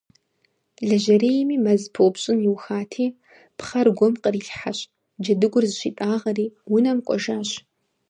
Лэжьэрейми мэз пыупщӀын иухати, пхъэр гум кърилъхьэщ, джэдыгур зыщитӀагъэри унэм кӀуэжащ.